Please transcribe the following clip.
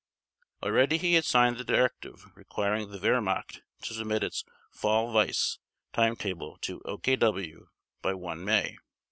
Already he had signed the directive requiring the Wehrmacht to submit its "Fall Weiss" timetable to OKW by 1 May.